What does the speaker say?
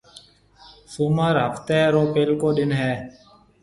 سومر هفتي رو پيلڪو ڏن هيَ۔